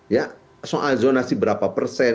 ya soal zonasi berapa persen